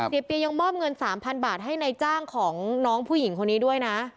เปียยังมอบเงิน๓๐๐บาทให้นายจ้างของน้องผู้หญิงคนนี้ด้วยนะ